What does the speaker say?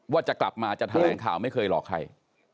ว่าจะกลับมาจะแถลงข่าวไม่เคยหลอกใคร